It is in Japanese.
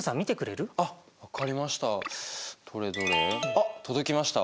あっ届きました。